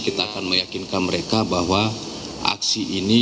kita akan meyakinkan mereka bahwa aksi ini